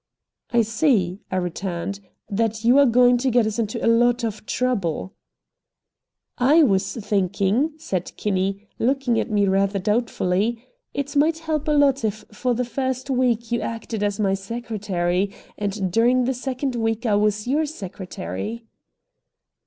"I see," I returned, "that you are going to get us into a lot of trouble." "I was thinking," said Kinney, looking at me rather doubtfully, "it might help a lot if for the first week you acted as my secretary, and during the second week I was your secretary."